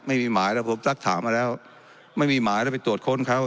ไม่มีหมายแล้วผมสักถามมาแล้วไม่มีหมายแล้วไปตรวจค้นเขา